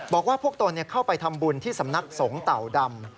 บอกว่าพวกตนเข้าไปทำบุญที่สำนักสงฆ์เต่าดำ